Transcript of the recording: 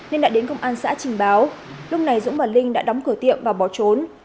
nên đã đến công an xã trình báo lúc này dũng và linh đã đóng cửa tiệm và bỏ trốn